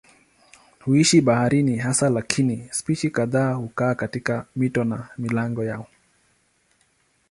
Huishi baharini hasa lakini spishi kadhaa hukaa katika mito na milango yao.